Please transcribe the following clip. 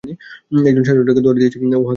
একজন সাতশো টাকা দর দিয়েছে, ও হাকে হাজার।